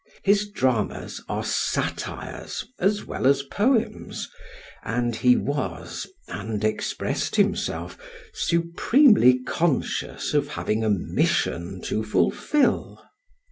His dramas are satires as well as poems, and he was and expressed himself supremely conscious of having a "mission" to fulfil.